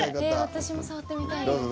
私も触ってみたいです。